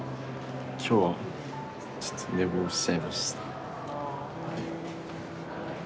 今日はちょっと寝坊しちゃいました。